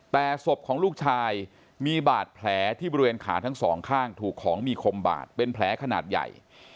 แต่ศพของลูกชายมีบาดแผลที่บริเวณขาทั้งสองข้างถูกของมีคมบาดเป็นแผลขนาดใหญ่